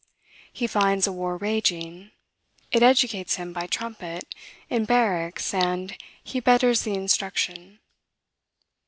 He finds a war raging: it educates him by trumpet, in barracks, and he betters the instruction.